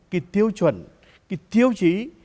cái tiêu chuẩn cái tiêu chí